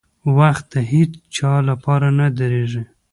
• وخت د هیڅ چا لپاره نه درېږي.